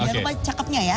jangan lupa cakepnya ya